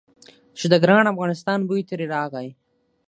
چې د ګران افغانستان بوی ترې راغی.